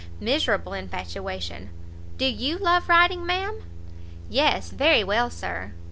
miserable infatuation! Do you love riding, ma'am?" "Yes, very well, Sir."